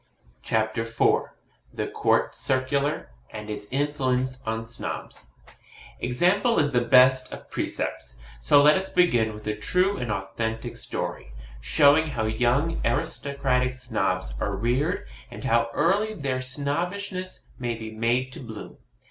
CHAPTER IV THE COURT CIRCULAR, AND ITS INFLUENCE ON SNOBS Example is the best of precepts; so let us begin with a true and authentic story, showing how young aristocratic snobs are reared, and how early their Snobbishness may be made to bloom.